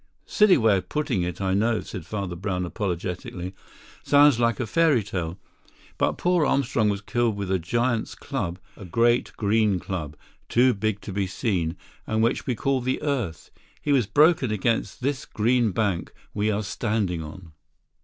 "Silly way of putting it, I know," said Father Brown apologetically. "Sounds like a fairy tale. But poor Armstrong was killed with a giant's club, a great green club, too big to be seen, and which we call the earth. He was broken against this green bank we are standing on."